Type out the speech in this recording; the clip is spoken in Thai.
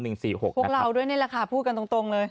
๓๑๔๖นะครับพวกเราด้วยนี่แหละค่ะพูดกันตรงเลย